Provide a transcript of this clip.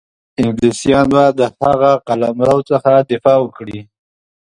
انګلیسیان به د هغه قلمرو څخه دفاع وکړي.